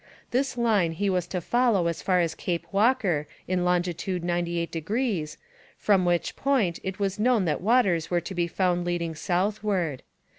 This line he was to follow as far as Cape Walker in longitude 98°, from which point it was known that waters were to be found leading southward.